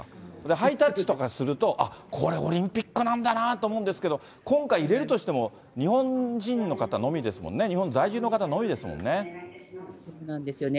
ハイタッチとかすると、あっ、これ、オリンピックなんだなって思うんですけど、今回、入れるとしても日本人の方のみですもんね、そうなんですよね。